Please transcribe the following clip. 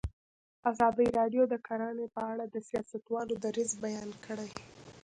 ازادي راډیو د کرهنه په اړه د سیاستوالو دریځ بیان کړی.